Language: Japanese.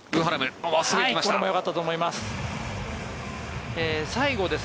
これもよかったと思います。